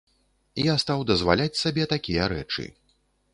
Я стаў дазваляць сабе такія рэчы.